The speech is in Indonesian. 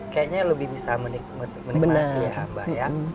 kayaknya lebih bisa menikmati ya mbak ya